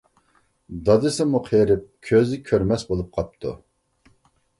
دادىسىمۇ قېرىپ كۆزى كۆرمەس بولۇپ قاپتۇ.